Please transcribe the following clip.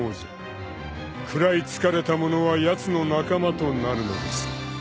［食らいつかれた者はやつの仲間となるのです］